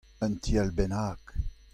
Un ti all bennak.